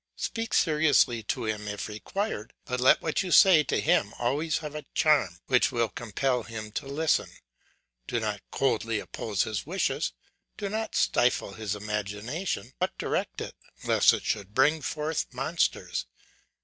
Speak seriously to him if required, but let what you say to him always have a charm which will compel him to listen. Do not coldly oppose his wishes; do not stifle his imagination, but direct it lest it should bring forth monsters.